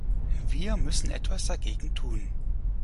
Wir müssen etwas dagegen tun.